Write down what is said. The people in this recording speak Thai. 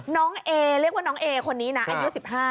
น้องเอเรียกว่าน้องเอคนนี้นะอายุ๑๕